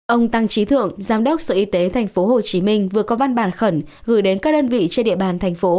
ông tăng trí thượng giám đốc sở y tế tp hcm vừa có văn bản khẩn gửi đến các đơn vị trên địa bàn thành phố